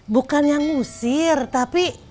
bukannya ngusir tapi